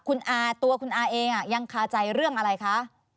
คุณอาตัวคุณอาเองยังคาใจเรื่องอะไรคะ